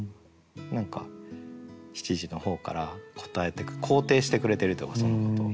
何か七時の方から答えというか肯定してくれてるというかそのことを。